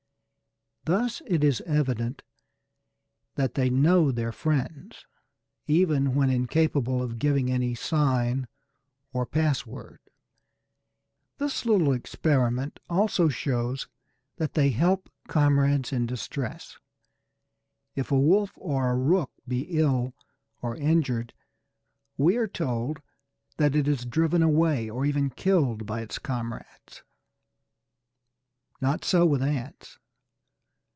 Thus it is evident that they know their friends even when incapable of giving any sign or password. This little experiment also shows that they help comrades in distress. If a wolf or a rook be ill or injured, we are told that it is driven away or even killed by its comrades. Not so with ants.